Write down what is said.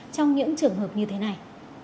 trong những trường hợp như thế này